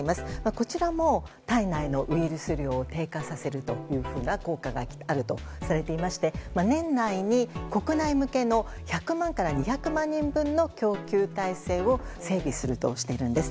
こちらも体内のウイルス量を低下させるという効果があるとされていまして年内に国内向けの１００万から２００万人分の供給体制を整備するとしているんです。